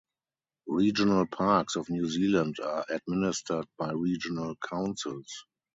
Regional parks of New Zealand are administered by regional councils.